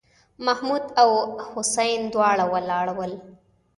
محمـود او حسين دواړه ولاړ ول.